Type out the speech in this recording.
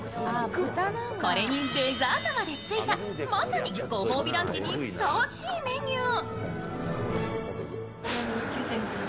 これにデザートまでついたまさにご褒美ランチにふさわしいメニュー。